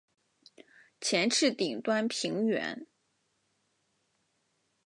前翅顶端平圆。